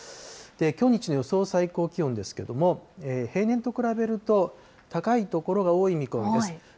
きょう日中の予想最高気温ですけれども、平年と比べると高い所が多い見込みです。